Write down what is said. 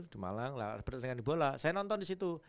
di malang pertandingan bola saya nonton disitu